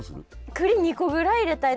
くり２個ぐらい入れたいな。